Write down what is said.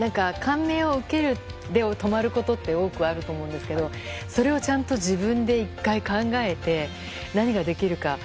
感銘を受けるで止まることってよくあるんですけどそれをちゃんと自分で１回考えて何ができるか。